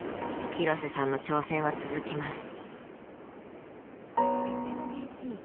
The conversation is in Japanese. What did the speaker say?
廣瀬さんの挑戦は続きます。